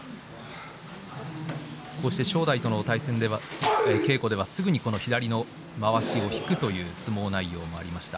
正代との稽古ではすぐに左のまわしを引くという相撲内容もありました。